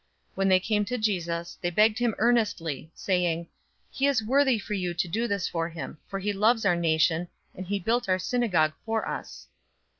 007:004 When they came to Jesus, they begged him earnestly, saying, "He is worthy for you to do this for him, 007:005 for he loves our nation, and he built our synagogue for us."